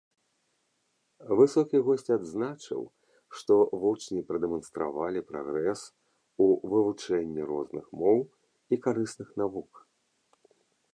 Высокі госць адзначыў, што вучні прадэманстравалі прагрэс у вывучэнні розных моў і карысных навук.